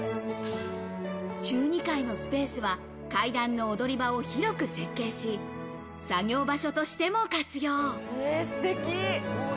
中２階のスペースは階段の踊り場を広く設計し、作業場所としても活用。